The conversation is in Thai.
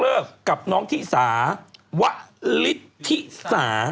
เมื่อก็คือน้องที่สาวฤทีสา